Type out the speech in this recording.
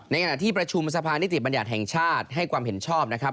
ขณะที่ประชุมสภานิติบัญญัติแห่งชาติให้ความเห็นชอบนะครับ